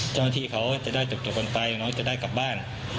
เจ้าหน้าที่เขาจะได้เติบตัวคนไปน้องจะได้กลับบ้าน